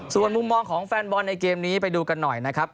ส่วนมุมมองของแฟนบอลในเกมนี้ไปดูกันหน่อยนะครับ